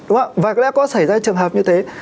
đúng không ạ và có xảy ra trường hợp như thế